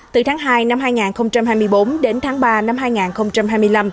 từ tháng hai năm hai nghìn hai mươi bốn đến tháng ba năm hai nghìn hai mươi năm